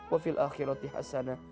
wa fil akhirati hasana